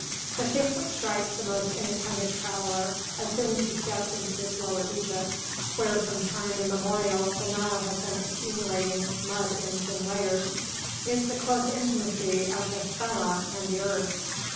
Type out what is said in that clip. The thing which strikes the most inattentive traveller as soon as he steps into this Lower Egypt, where from time immemorial the Nile has been accumulating its mud in thin layers, is the close intimacy of the fellah and the earth.